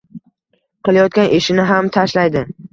Qilayotgan ishini ham tashlaydi